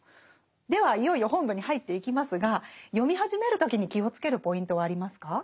ではいよいよ本文に入っていきますが読み始める時に気を付けるポイントはありますか？